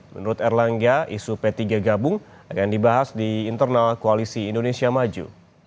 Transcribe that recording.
menurut erlangga isu p tiga gabung akan dibahas di internal koalisi indonesia maju